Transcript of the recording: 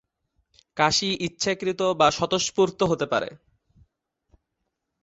কাশি ইচ্ছাকৃত বা স্বতঃস্ফূর্ত হতে পারে।